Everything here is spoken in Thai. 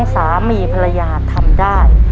สามีภรรยาทำได้